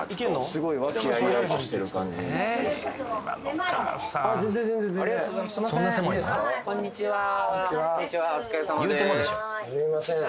すいません